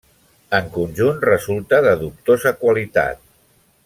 En conjunt resulta de dubtosa qualitat.